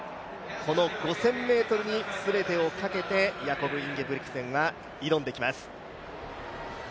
この５０００ｍに全てをかけてヤコブ・インゲブリクセンは挑んできます。